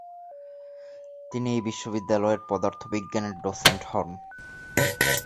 তিনি এই বিশ্ববিদ্যালয়ের পদার্থ বিজ্ঞানের ডসেন্ট হন।